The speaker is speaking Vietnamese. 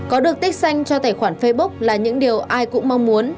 có được tích xanh cho tài khoản facebook là những điều ai cũng mong muốn